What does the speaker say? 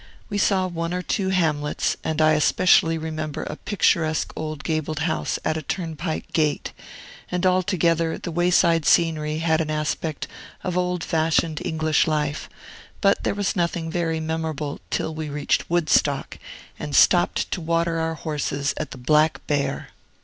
We saw one or two hamlets, and I especially remember a picturesque old gabled house at a turnpike gate, and, altogether, the wayside scenery had an aspect of old fashioned English life; but there was nothing very memorable till we reached Woodstock, and stopped to water our horses at the Black Bear.